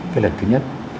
cái là thứ nhất